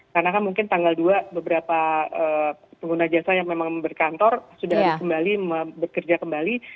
karena kan mungkin tanggal dua beberapa pengguna jasa yang memang berkantor sudah kembali bekerja kembali